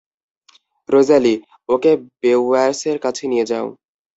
Rosalie, okay বেওয়্যার্সের কাছে নিয়ে যাও!